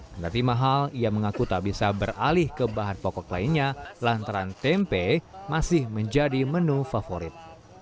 berarti mahal ia mengaku tak bisa beralih ke bahan pokok lainnya lantaran tempe masih menjadi menu favorit